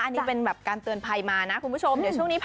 ก็เป็นแบบการเตือนภัยมานะคุณผู้ชม